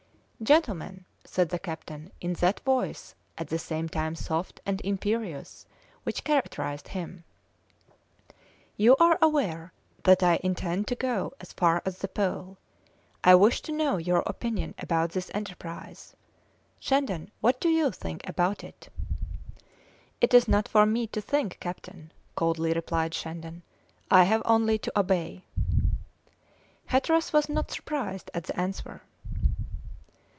"Gentlemen," said the captain in that voice at the same time soft and imperious which characterised him, "you are aware that I intend to go as far as the Pole. I wish to know your opinion about this enterprise. Shandon, what do you think about it?" "It is not for me to think, captain," coldly replied Shandon; "I have only to obey." Hatteras was not surprised at the answer.